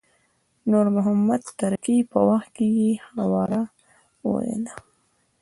د نور محمد تره کي په وخت کې يې هورا ویله.